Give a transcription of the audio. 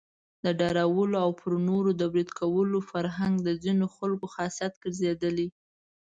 د ډارولو او پر نورو د بريد کولو فرهنګ د ځینو خلکو خاصيت ګرځېدلی.